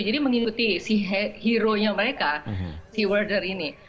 jadi mengikuti si hero nya mereka si werder ini